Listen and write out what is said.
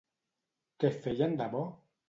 Què feien de bo?